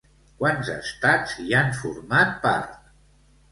Quants estats hi han format part?